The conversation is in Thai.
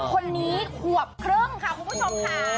คนนี้ขวบครึ่งค่ะคุณผู้ชมค่ะ